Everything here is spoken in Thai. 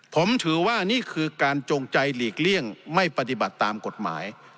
ผมถือว่านี่คือการจงใจหลีกเลี่ยงไม่ปฏิบัติตามกฎหมาย